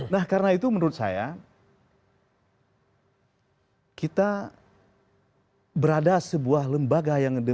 nah karena itu menurut saya kita berada sebuah lembaga yang